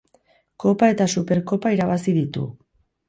Kopa eta Superkopa irabazi ditu.